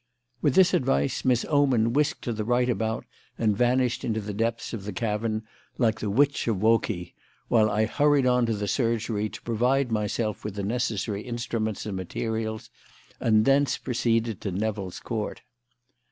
With this advice, Miss Oman whisked to the right about and vanished into the depths of the cavern like the Witch of Wokey, while I hurried on to the surgery to provide myself with the necessary instruments and materials, and thence proceeded to Nevill's Court.